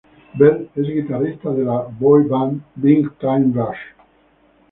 Belt es guitarrista de la boyband, Big time rush.